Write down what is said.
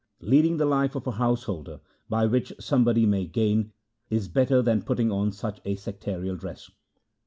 Leading the life of a householder, by which somebody may gain, is better than putting on such a sectarial dress.